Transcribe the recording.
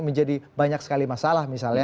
menjadi banyak sekali masalah